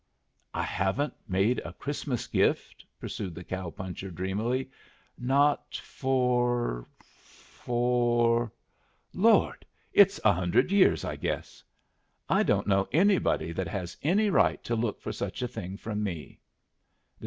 "I haven't made a Christmas gift," pursued the cow puncher, dreamily, "not for for Lord! it's a hundred years, I guess. I don't know anybody that has any right to look for such a thing from me."